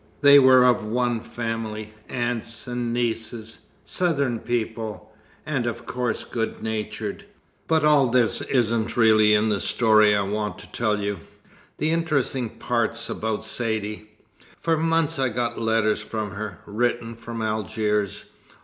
They were of one family, aunts and nieces Southern people, and of course good natured. But all this isn't really in the story I want to tell you. The interesting part's about Saidee. For months I got letters from her, written from Algiers.